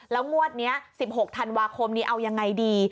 แล้วงวดนี้๑๖ธันวาคมนี้เอายังไงดี